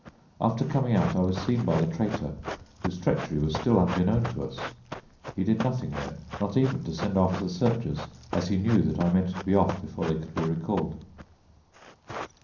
After coming out I was seen by the traitor, whose treachery was still unknown to us. He did nothing then, not even to send after the searchers, as he knew that I meant to be off before they could be recalled."